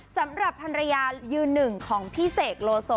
สำหรับภรรยายืนหนึ่งของพี่เสกโลโซ